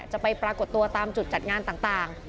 จะไปปรากฏตัวตามจุดจัดงานต่าง